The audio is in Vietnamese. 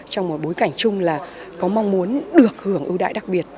trong một bối cảnh chung là có mong muốn được hưởng ưu đại đặc biệt